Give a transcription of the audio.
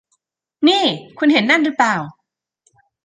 นี่ คุณเห็นนั่นรึเปล่า